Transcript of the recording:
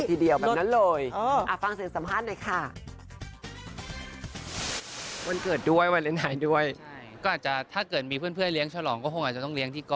อุ๊ยลดอ๋อฟังเสียงสัมภาษณ์หน่อยค่ะคุณคุณพูดทีเดียวแบบนั้นเลย